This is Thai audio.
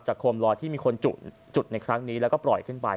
โคมลอยที่มีคนจุดในครั้งนี้แล้วก็ปล่อยขึ้นไป